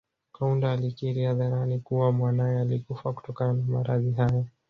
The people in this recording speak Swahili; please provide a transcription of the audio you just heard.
Kaunda alikiri hadharani kuwa mwanaye alikufa kutokana na maradhi hayo